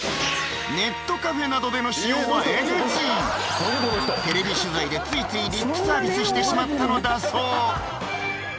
ネットカフェなどでの使用はＮＧテレビ取材でついついリップサービスしてしまったのだそう